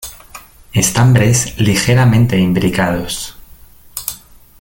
Estambres ligeramente imbricados.